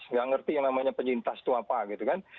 tidak mengerti yang namanya penyintas itu apa gitu kan